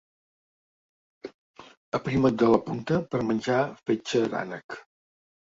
Aprimat de la punta per menjar fetge d'ànec.